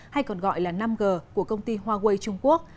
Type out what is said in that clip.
hay còn gọi là năm g của công ty huawei trung quốc